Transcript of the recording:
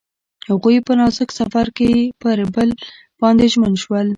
هغوی په نازک سفر کې پر بل باندې ژمن شول.